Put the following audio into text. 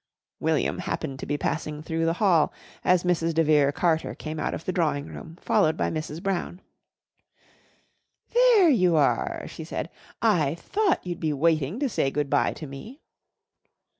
William happened to be passing through the hall as Mrs. de Vere Carter came out of the drawing room followed by Mrs. Brown. "There you are!" she said. "I thought you'd be waiting to say good bye to me."